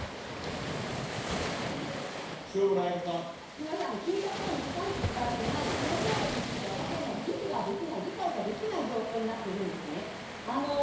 すみません、聞いたことに答えていただいてない、その答弁について、私はもう意味ができない、理解ができない状況になっているんですね。